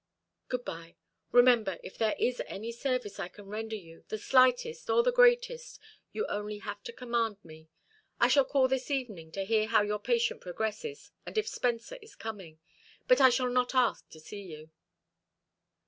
"Good bye. Remember, if there is any service I can render you, the slightest or the greatest, you have only to command me. I shall call this evening to hear how your patient progresses, and if Spencer is coming. But I shall not ask to see you."